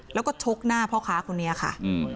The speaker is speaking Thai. แล้วก็ชกหน้าพ่อค้าคนนี้ค่ะ